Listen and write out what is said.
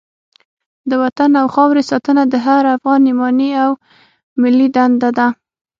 د وطن او خاورې ساتنه د هر افغان ایماني او ملي دنده ده.